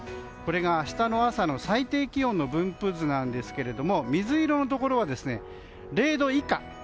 これが明日の朝の最低気温の分布図なんですが水色のところは０度以下。